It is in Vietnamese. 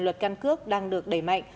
luật căn cước đang được đẩy mạnh